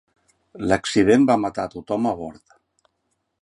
L'accident va matar a tothom a bord.